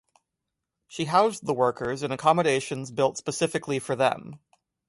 She housed the workers in accommodation built specially for them.